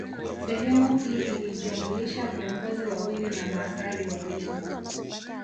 Sehemu hii ilijumlisha viongozi wawili na maaskari wawili